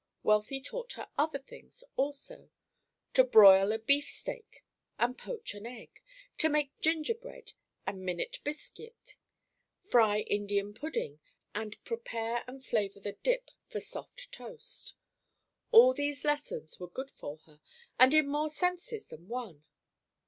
Wealthy taught her other things also, to broil a beefsteak, and poach an egg, to make gingerbread and minute biscuit, fry Indian pudding, and prepare and flavor the "dip" for soft toast. All these lessons were good for her, and in more senses than one.